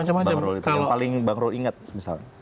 curahkan sama bang irul itu yang paling bang irul inget misalnya